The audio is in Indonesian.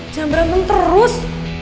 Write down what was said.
jangan berantem terus